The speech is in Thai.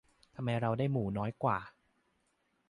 ทำไมเราได้หมูน้อยกว่า